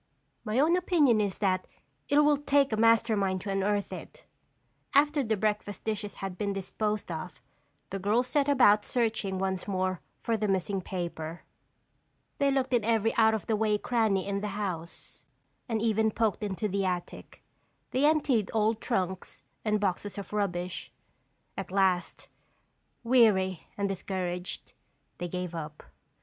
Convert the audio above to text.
My own opinion is that it will take a master mind to unearth it." After the breakfast dishes had been disposed of, the girls set about searching once more for the missing paper. They looked in every out of the way cranny in the house and even poked into the attic; they emptied old trunks and boxes of rubbish. At last, weary and discouraged, they gave up.